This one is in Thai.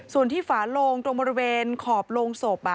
ส่วนที่ฝาโลงตรงบริเวณขอบโรงศพ